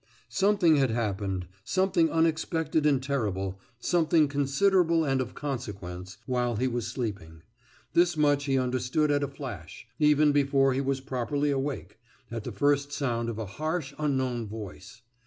Something had happened, something unexpected and terrible, something considerable and of consequence, whilst he was sleeping this much he understood at a flash, even before he was properly awake, at the first sound of a harsh, unknown voice.